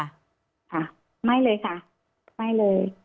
ค่ะไม่เลยค่ะไม่เลย